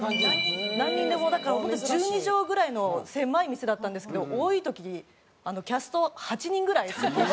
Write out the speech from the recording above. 何人でもだから本当１２畳ぐらいの狭い店だったんですけど多い時キャスト８人ぐらい。